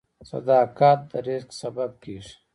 • صداقت د رزق سبب کیږي.